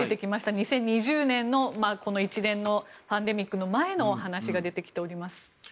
２０２０年の一連のパンデミックの前のお話が出てきております。